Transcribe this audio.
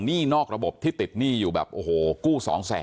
หนี้นอกระบบที่ติดหนี้อยู่แบบกู้๒๐๐๐๐๐